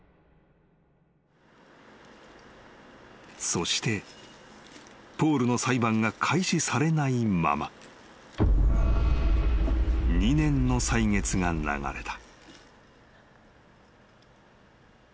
［そしてポールの裁判が開始されないまま２年の歳月が流れた］